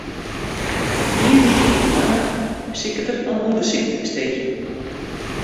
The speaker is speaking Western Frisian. Ien wike yn 'e moanne besiket er oan ûndersyk te besteegjen.